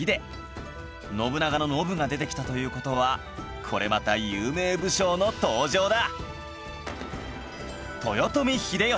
信長の「信」が出てきたという事はこれまた有名武将の登場だ！